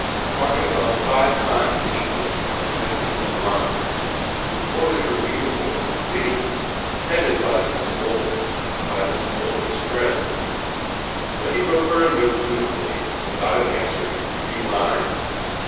Mark had gone five times to England on visits of a month, re ported her beautiful, witty, petted by Mrs. Ilden, by Mrs. Ilden s friends. But he wrote her a note dutifully and got an answer in three lines.